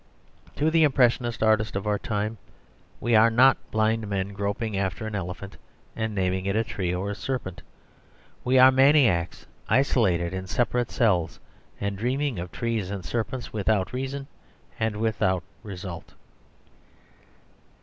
To the impressionist artist of our time we are not blind men groping after an elephant and naming it a tree or a serpent. We are maniacs, isolated in separate cells, and dreaming of trees and serpents without reason and without result.